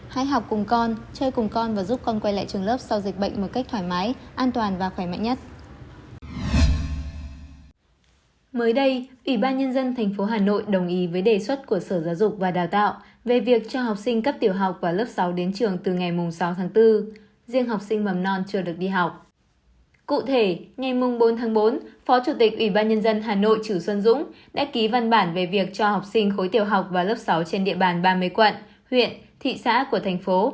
hãy học cùng con chơi cùng con và giúp con quay lại trường lớp sau dịch bệnh một cách thoải mái an toàn và khỏe mạnh nhất